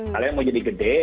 kalian mau jadi gede